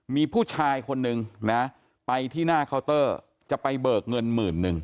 มีผู้ชายคนนึงนะไปที่หน้าเคาน์เตอร์จะไปเบิกเงินหมื่นนึง